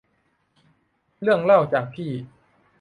เรื่องเล่าจากพี่